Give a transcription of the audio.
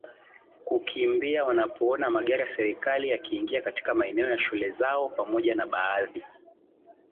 kukimbia wanapoona magari ya serikali yakiingia katika maeneo ya shule zao pamoja na baadhi